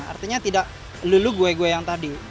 artinya tidak lulu gue gue yang tadi